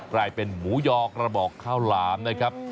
กลายเป็นหมูยอกระบอกข้าวหลามนะครับ